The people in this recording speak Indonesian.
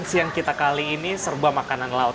siang kita kali ini serba makanan laut